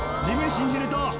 自分信じると！